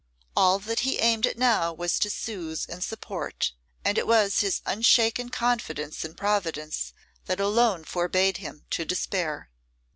All that he aimed at now was to soothe and support, and it was his unshaken confidence in Providence that alone forbade him to despair.